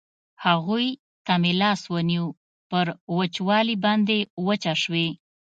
هغوی ته مې لاس ونیو، پر وچولې باندې وچه شوې.